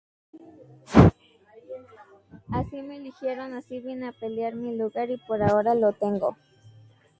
Así me eligieron, así vine a pelear mi lugar y por ahora lo tengo.